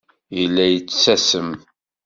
Yella yettasem.